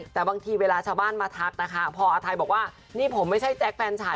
แต่บางทีเวลาชาวบ้านมาทักนะคะพออาทัยบอกว่านี่ผมไม่ใช่แจ๊คแฟนชาย